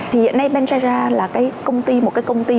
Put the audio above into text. thì hiện nay ventura là một cái công ty